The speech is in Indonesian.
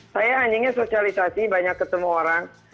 saya anjingnya sosialisasi banyak ketemu orang